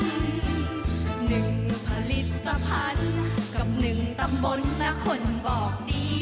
หนึ่งผลิตภัณฑ์กับหนึ่งตำบลและคนบอกดี